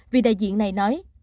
vị đại diện này nói